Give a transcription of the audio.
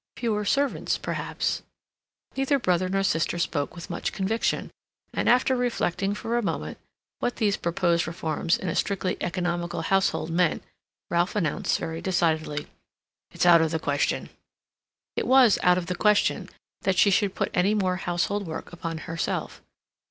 "Fewer servants, perhaps." Neither brother nor sister spoke with much conviction, and after reflecting for a moment what these proposed reforms in a strictly economical household meant, Ralph announced very decidedly: "It's out of the question." It was out of the question that she should put any more household work upon herself.